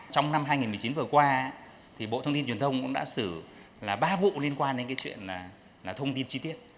trong năm hai nghìn một mươi chín vừa qua thì bộ thông tin truyền thông cũng đã xử là ba vụ liên quan đến cái chuyện là thông tin chi tiết